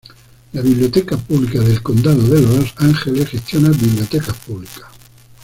La Biblioteca Pública del Condado de Los Ángeles gestiona bibliotecas públicas.